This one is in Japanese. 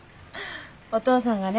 お父さんがね